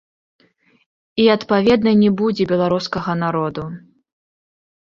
І, адпаведна, не будзе беларускага народу.